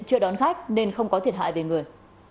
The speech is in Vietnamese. chưa đón khách nên không có thiệt hại về người